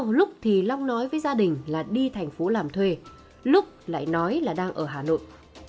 do tại sao lúc thì long nói với gia đình là đi thành phố làm thuê lúc lại nói là đang ở hà nội